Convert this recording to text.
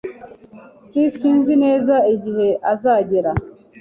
S Sinzi neza igihe azagera.